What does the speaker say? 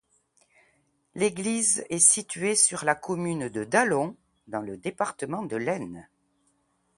L'église est située sur la commune de Dallon, dans le département de l'Aisne.